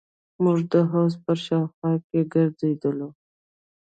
موږ د حوض په شاوخوا کښې ګرځېدلو.